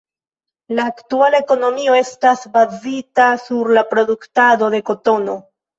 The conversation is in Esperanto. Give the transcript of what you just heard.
La aktuala ekonomio estas bazita sur la produktado de kotono.